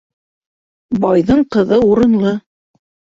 Байҙың ҡыҙы урынлы.